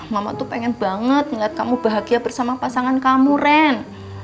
mama tuh pengen banget ngeliat kamu bahagia bersama pasangan kamu ren